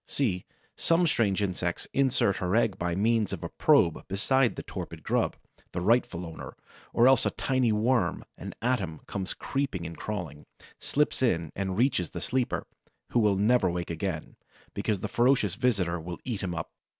See, some strange insect inserts her egg by means of a probe beside the torpid grub, the rightful owner; or else a tiny worm, an atom, comes creeping and crawling, slips in and reaches the sleeper, who will never wake again, because the ferocious visitor will eat him up.